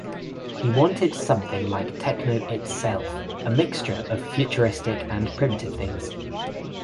He wanted something like techno itself, a mixture of futuristic and primitive things.